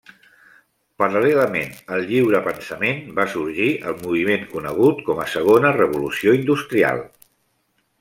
Paral·lelament al lliurepensament, va sorgir el moviment conegut com a segona revolució industrial.